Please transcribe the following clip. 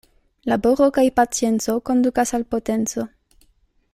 Laboro kaj pacienco kondukas al potenco.